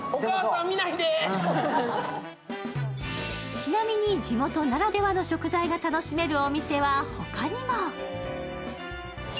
ちなみに地元ならではの食材が楽しめるお店は、ほかにも。